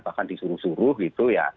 bahkan disuruh suruh gitu ya